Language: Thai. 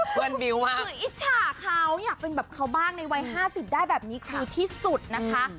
บิวค่ะคืออิจฉาเขาอยากเป็นแบบเขาบ้างในวัย๕๐ได้แบบนี้คือที่สุดนะคะ